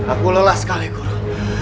aku sangat lelah guru